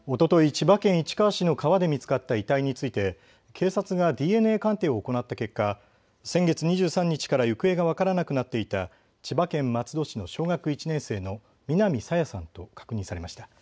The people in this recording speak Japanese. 千葉県市川市の川で見つかった遺体について警察がＤＮＡ鑑定を行った結果、先月２３日から行方が分からなくなっていた千葉県松戸市の小学１年生の南朝芽さんと確認されました。